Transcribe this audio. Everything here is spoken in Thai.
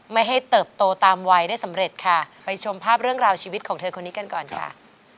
ไม่ให้เติบโตตามวัยได้สำเร็จค่ะไปชมภาพเรื่องราวชีวิตของเธอคนนี้กันก่อนค่ะ